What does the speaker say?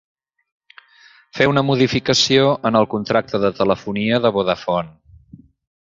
Fer una modificació en el contracte de telefonia de Vodafone.